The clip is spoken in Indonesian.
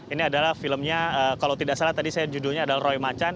ini adalah filmnya kalau tidak salah tadi saya judulnya adalah roy macan